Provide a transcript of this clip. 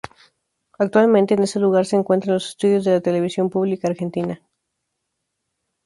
Actualmente en ese lugar se encuentran los estudios de la Televisión Pública Argentina.